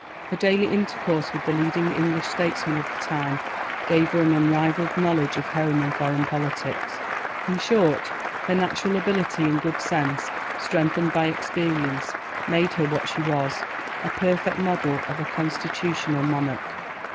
Her daily intercourse with the leading English statesmen of the time gave her an unrivalled knowledge of home and foreign politics. In short, her natural ability and good sense, strengthened by experience, made her what she was, a perfect model of a constitutional monarch.